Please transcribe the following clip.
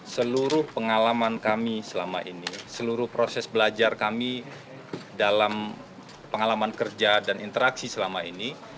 seluruh pengalaman kami selama ini seluruh proses belajar kami dalam pengalaman kerja dan interaksi selama ini